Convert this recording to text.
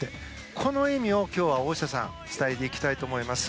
この意味を今日は大下さん伝えていきたいと思います。